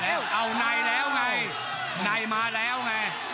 เอานายแล้วไงนายมาแล้วไง